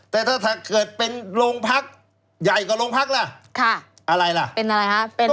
แต่ถ้าเกิดเป็นโรงพักใหญ่กว่าโรงพักล่ะค่ะอะไรล่ะเป็นอะไรฮะ